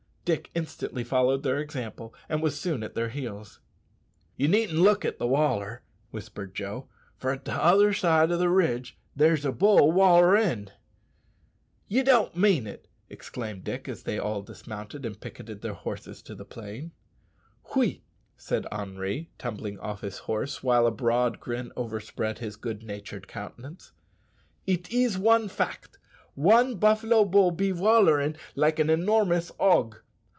Dick instantly followed their example, and was soon at their heels. "Ye needn't look at the waller," whispered Joe, "for a' tother side o' the ridge there's a bull wallerin'." "Ye don't mean it!" exclaimed Dick, as they all dismounted and picketed their horses to the plain. "Oui," said Henri, tumbling off his horse, while a broad grin overspread his good natured countenance, "it is one fact! One buffalo bull be wollerin' like a enormerous hog.